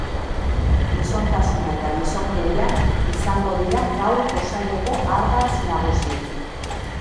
Gizontasuna eta gizonkeria izango dira gaurko saioko ardatz nagusi.